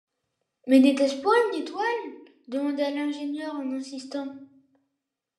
Mais n’était-ce point une étoile? demanda l’ingénieur en insistant.